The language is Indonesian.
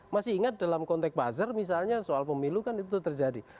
masih ingat dalam konteks buzzer misalnya soal pemilu kan itu terjadi